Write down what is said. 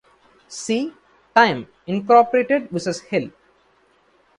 See "Time, Incorporated versus Hill".